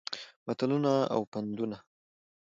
متلونه او پندونه